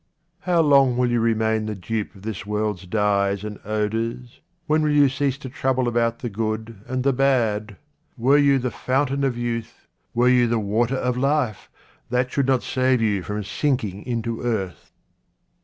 How long will you remain the dupe of this world's dyes and odours ? When will you cease to trouble about the good and the bad ? Were you the fountain of youth, were you the water of life, that should not save you from sinking into earth.